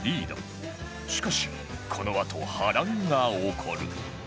しかしこのあと波乱が起こる